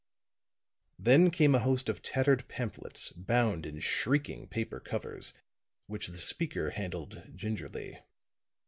Then came a host of tattered pamphlets, bound in shrieking paper covers, which the speaker handled gingerly.